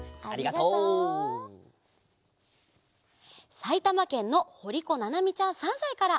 さいたまけんのほりこななみちゃん３さいから。